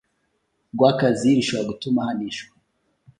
rw akazi rishobora gutuma ahanishwa